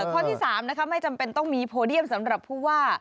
ข้อที่๓ไม่จำเป็นต้องมีโพเดียมสำหรับผู้ว่า